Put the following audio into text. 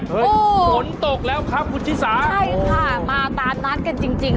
ฝนตกแล้วครับคุณชิสาใช่ค่ะมาตามนัดกันจริงจริง